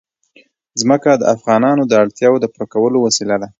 ځمکه د افغانانو د اړتیاوو د پوره کولو وسیله ده.